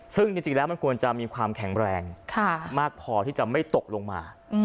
ซึ่งจริงแล้วมันควรจะมีความแข็งแรงมากพอที่จะไม่ตกลงมา